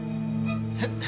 えっ！？